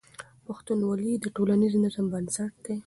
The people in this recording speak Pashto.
پښتونولي د ټولنیز نظم بنسټ دی.